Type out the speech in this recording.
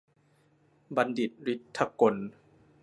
บัณฑิต ฤทธิ์ถกล